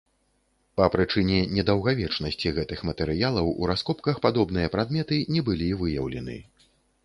Па прычыне недаўгавечнасці гэтых матэрыялаў у раскопках падобныя прадметы не былі выяўлены.